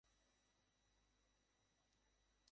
তিনি বলেছেন, যাদের কথা সবাই ভুলে যায়, তিনি তাদের ভুলবেন না।